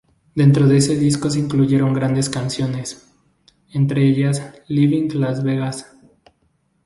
Dentro de ese disco se incluyeron grandes canciones, entre ellas "Leaving Las Vegas".